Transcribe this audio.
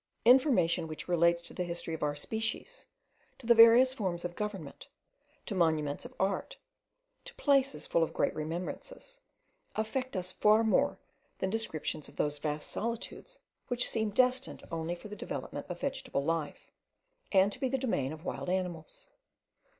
Information which relates to the history of our species, to the various forms of government, to monuments of art, to places full of great remembrances, affect us far more than descriptions of those vast solitudes which seem destined only for the development of vegetable life, and to be the domain of wild animals.